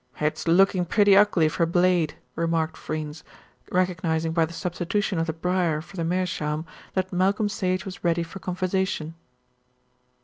"It's looking pretty ugly for Blade," remarked Freynes, recognising by the substitution of the briar for the meerschaum that Malcolm Sage was ready for conversation.